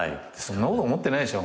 そんなこと思ってないでしょ。